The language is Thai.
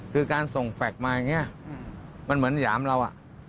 คือการส่งแฟคมาอย่างนี้มันเหมือนหยามเรา